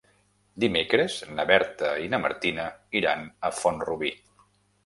Dimecres na Berta i na Martina iran a Font-rubí.